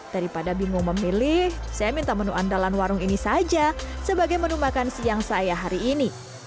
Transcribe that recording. daripada bingung memilih saya minta menu andalan warung ini saja sebagai menu makan siang saya hari ini